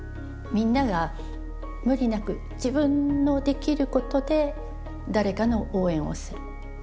みんなが無理なく自分のできることで誰かの応援をする。